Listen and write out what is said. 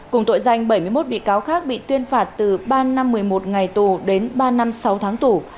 cùng tội danh bảy mươi một bị cáo khác bị tuyên phạt từ ba năm một mươi một ngày tù đến ba năm sáu tháng tù